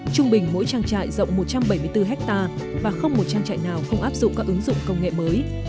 trung bình mỗi trang trại rộng một trăm bảy mươi bốn hectare và không một trang trại nào không áp dụng các ứng dụng công nghệ mới